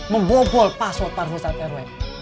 membobol password para usat terowek